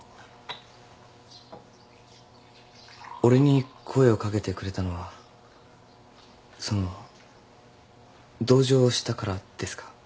俺に声を掛けてくれたのはその同情したからですか？